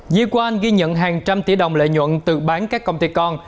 duy quan ghi nhận hàng trăm tỷ đồng lợi nhuận từ bán các công ty con